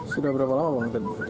sudah berapa lama bang